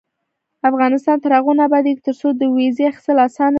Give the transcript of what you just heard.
افغانستان تر هغو نه ابادیږي، ترڅو د ویزې اخیستل اسانه نشي.